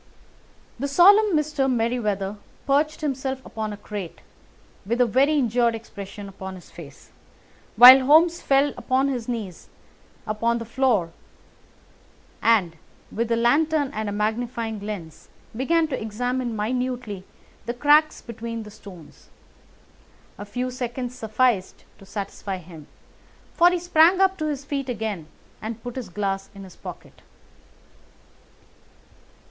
The solemn Mr. Merryweather perched himself upon a crate, with a very injured expression upon his face, while Holmes fell upon his knees upon the floor and, with the lantern and a magnifying lens, began to examine minutely the cracks between the stones. A few seconds sufficed to satisfy him, for he sprang to his feet again and put his glass in his pocket.